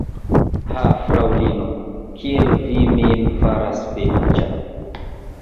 Ha, fraŭlino, kiel vi min faras feliĉa!